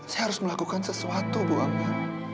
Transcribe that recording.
saya harus melakukan sesuatu bu angga